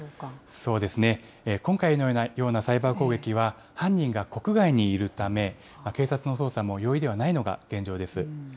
そうですね、今回のようなサイバー攻撃は犯人が国外にいるため、警察の捜査も容易ではないのが現状です。